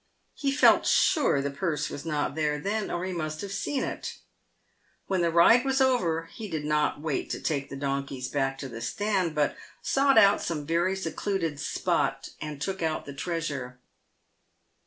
He felt sure the purse was not there then, or he must have seen it. "When the ride was over he did not wait to take the donkeys back to the stand, but sought out some very secluded spot and took out the treasure.